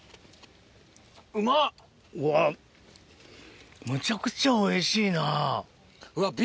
うわむちゃくちゃおいしいな。